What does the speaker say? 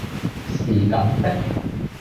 是咁的